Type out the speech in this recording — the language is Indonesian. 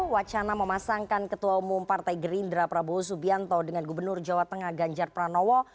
wacana memasangkan ketua umum partai gerindra prabowo subianto dengan gubernur jawa tengah ganjar pranowo